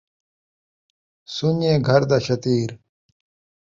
سن٘ڄے گھر دا شتیر